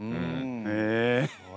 へえ！